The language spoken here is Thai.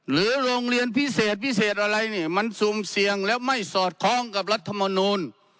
หรือโรงเรียนพิเศษอะไรนี่มันสูงเสี่ยงและไม่สอดคล้องกับรัฐมนตร์